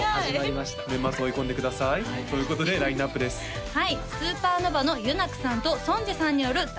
年末追い込んでくださいということでラインナップですさあ